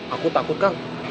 aku takut kang